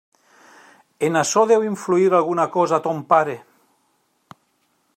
En açò deu influir alguna cosa ton pare.